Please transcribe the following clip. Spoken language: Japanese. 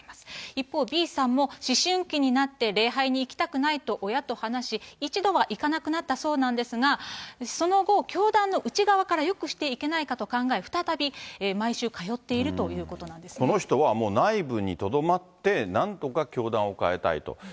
一方、Ｂさんも思春期になって礼拝に行きたくないと親と話し、一度は行かなくなったそうなんですが、その後、教団の内側からよくしていけないかと考え、再び、毎週通っているこの人は、もう内部にとどまって、なんとか教団を変えたいと。